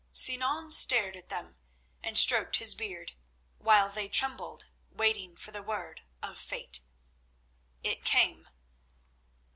Sinan stared at them and stroked his beard, while they trembled, waiting for the word of fate. It came.